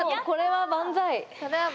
これは万歳だ。